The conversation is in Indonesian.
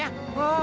wah gua banget